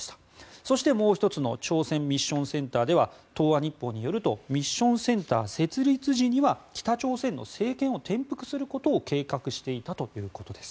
そして、もう１つの朝鮮ミッションセンターでは東亜日報によるとミッションセンター設立時には北朝鮮の政権を転覆することを計画していたということです。